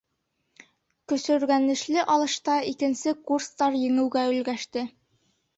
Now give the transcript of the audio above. Көсөргәнешле алышта икенсе курстар еңеүгә өлгәште.